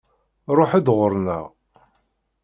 Ṛuḥ-d ɣuṛ-nneɣ!